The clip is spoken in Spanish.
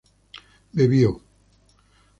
bebió